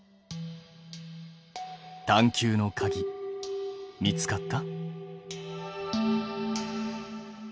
探究のかぎ見つかった？